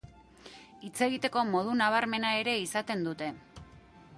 Hitz egiteko modu nabarmena ere izaten dute.